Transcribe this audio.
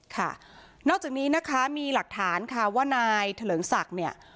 ค่ะนอกจากนี้นะคะมีหลักฐานค่ะว่านายเถลิงศักดิ์เนี่ย